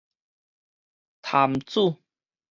潭子